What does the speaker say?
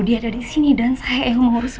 dia ada disini dan saya yang mengurus dia